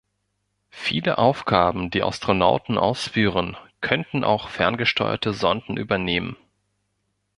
Viele Aufgaben, die Astronauten ausführen, könnten auch ferngesteuerte Sonden übernehmen.